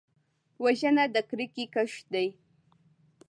وژنه د کرکې کښت دی